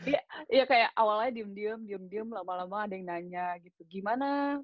jadi ya kayak awalnya diem diem diem diem lama lama ada yang nanya gitu gimana